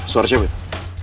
suara siapa itu